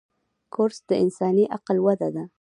کورس د انساني عقل وده ده.